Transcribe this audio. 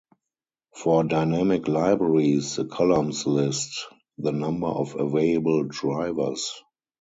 For dynamic libraries, the columns list the number of available drivers.